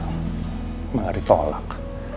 memang ada yang tolak